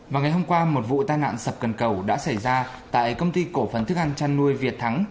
vào ngày hôm qua một vụ tai nạn sập cân cầu đã xảy ra tại công ty cổ phần thức ăn chăn nuôi việt thắng